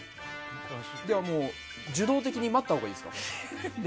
じゃあ、受動的に待ったほうがいいですか？